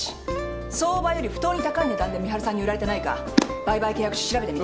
相場より不当に高い値段で美晴さんに売られてないか売買契約書調べてみて。